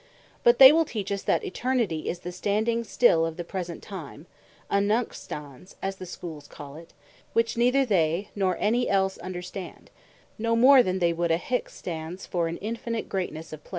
But they will teach us, that Eternity is the Standing still of the Present Time, a Nunc stans (as the Schools call it;) which neither they, nor any else understand, no more than they would a Hic stans for an Infinite greatnesse of Place.